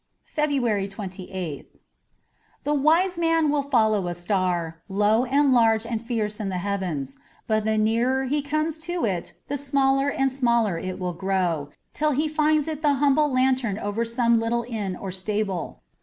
63 FEBRUARY 28th THE wise man will follow a star, low and large and fierce in the heavens, but the nearer he comes to it the smaller and smaller it will grow, till he finds it the humble lantern over some little inn or stable.